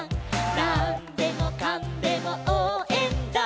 「なんでもかんでもおうえんだ！！」